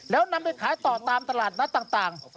แล้วนำไปขายต่อตามตลาดนัดต่าง